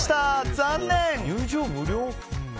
残念！